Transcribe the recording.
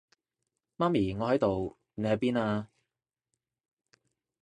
媽咪，我喺度，你喺邊啊？